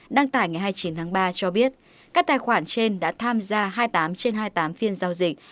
đăng tải ngày hai mươi chín tháng ba cho biết các tài khoản trên đã tham gia hai mươi tám trên hai mươi tám phiên giao dịch